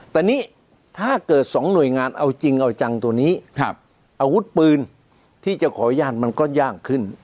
แต่นี่ถ้าเกิดสองหน่วยงานเอาจริงเอาจังตัวนี้อาวุธปืนที่จะขออนุญาตมันก็ยากขึ้น